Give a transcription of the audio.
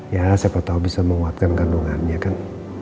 ya siapa tahu bisa menguatkan kandungannya kan